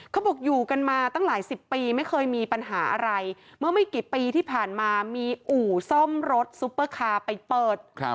เขาบอกอยู่กันมาตั้งหลายสิบปีไม่เคยมีปัญหาอะไรเมื่อไม่กี่ปีที่ผ่านมามีอู่ซ่อมรถซุปเปอร์คาร์ไปเปิด